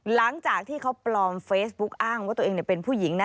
หลังจากที่เขาปลอมเฟซบุ๊กอ้างว่าตัวเองเป็นผู้หญิงนะ